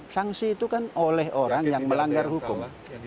sanksi itu kan oleh orang yang melanggar hukum